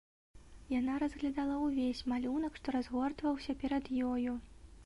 Яна разглядала ўвесь малюнак, што разгортваўся перад ёю.